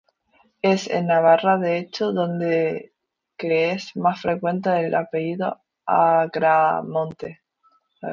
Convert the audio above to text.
Es en Navarra de hecho donde que es más frecuente el apellido "Agramonte".